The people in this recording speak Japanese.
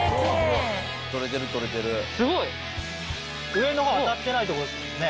上のほう当たってないとこですもんね。